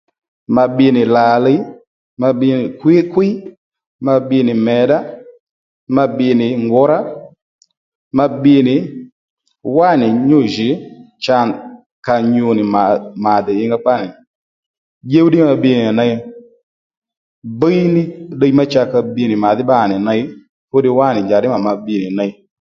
Ma bbiy nì lǎlíy, ma bbiy nì kwíy kwíy, ma bbiy nì mèyddá, ma bbiy nì ngǔrá ma bbiy nì wánì nyû jì cha ka nyu nì mà dè ingá kpá nì dyúw ddí ma bbiy nì ney bíy ní ddiy má cha ka bbiy nì màdhí bbá nì ney fú ddiy wánì chaddí mà ma bbiy nì ney